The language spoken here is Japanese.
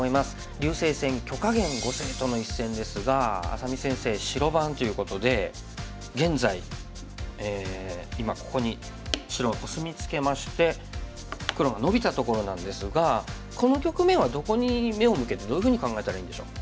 竜星戦許家元碁聖との一戦ですが愛咲美先生白番ということで現在今ここに白がコスミツケまして黒がノビたところなんですがこの局面はどこに目を向けてどういうふうに考えたらいいんでしょう？